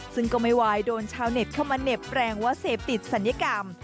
ซึ่งก็ไม่ไหวโดนชาวเน็ตเข้ามาเหน็บแรงว่าเสพติดศัลยกรรม